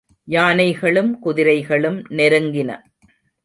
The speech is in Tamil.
யானைகளும் குதிரைகளும் நெருங்கின.